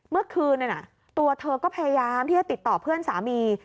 เมื่อคืนตัวเธอก็พยายามที่จะติดต่อเพื่อนสามี